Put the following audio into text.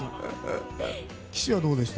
岸はどうでした？